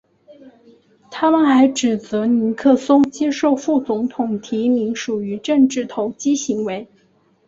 他们还指责尼克松接受副总统提名属于政治投机行为。